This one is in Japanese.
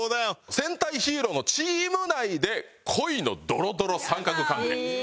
戦隊ヒーローのチーム内で恋のドロドロ三角関係。